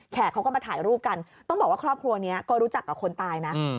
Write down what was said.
เขาก็มาถ่ายรูปกันต้องบอกว่าครอบครัวนี้ก็รู้จักกับคนตายนะ